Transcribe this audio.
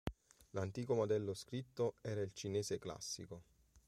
L'antico modello scritto era il cinese classico.